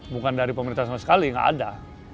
bukan dari pemerintah sama sekali nggak ada